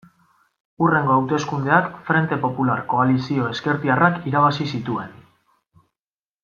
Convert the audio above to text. Hurrengo hauteskundeak Frente Popular koalizio ezkertiarrak irabazi zituen.